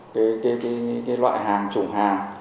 những loại hàng chủng hàng